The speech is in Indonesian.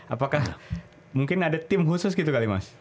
apakah mungkin ada tim khusus gitu kali mas